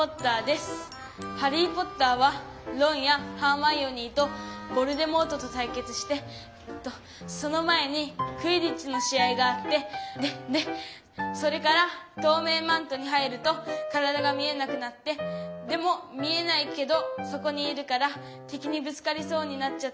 ハリー・ポッターはロンやハーマイオニーとヴォルデモートとたいけつしてえっとその前にクィディッチの試合があってでそれからとうめいマントに入ると体が見えなくなってでも見えないけどそこにいるからてきにぶつかりそうになっちゃったりして。